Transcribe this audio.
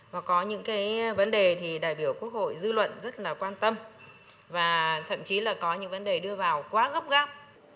và có những cái vấn đề thì đại biểu quốc hội dư luận rất là quan tâm và thậm chí là có những vấn đề đưa vào quá gấp gáp